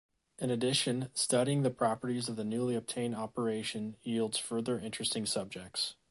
In addition, studying the properties of the newly obtained operations yields further interesting subjects.